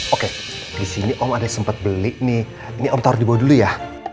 oke disini om ada sempet beli nih nih om taruh dibawah dulu ya